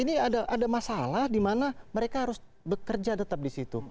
ini ada masalah di mana mereka harus bekerja tetap di situ